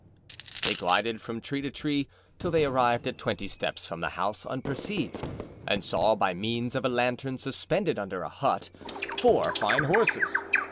They glided from tree to tree till they arrived at twenty steps from the house unperceived and saw by means of a lantern suspended under a hut, four fine horses.